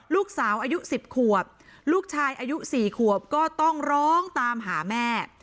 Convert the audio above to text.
ลูกสาวอายุ๑๐ขวบลูกชายอายุ๔ขวบก็ต้องร้องตามหาแม่